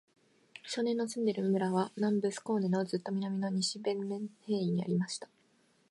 少年の住んでいる村は、南部スコーネのずっと南の、西ヴェンメンヘーイにありました。